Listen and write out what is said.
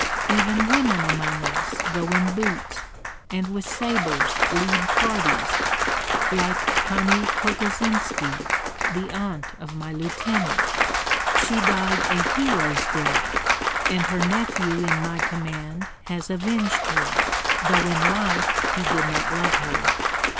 Even women among us go in boots, and with sabres lead parties, like Pani Kokosinski, the aunt of my lieutenant. She died a hero's death; and her nephew in my command has avenged her, though in life he did not love her.